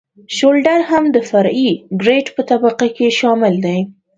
شولډر هم د فرعي ګریډ په طبقه کې شامل دی